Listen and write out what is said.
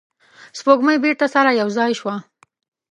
سپوږمۍ بیرته سره یو ځای شوه.